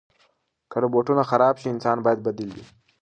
که روبوټونه خراب شي، انسان باید بدیل وي.